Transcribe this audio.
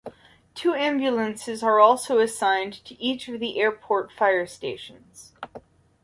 Two ambulances are also assigned at each of the airport fire stations.